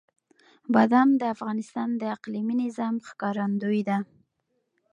بادام د افغانستان د اقلیمي نظام ښکارندوی ده.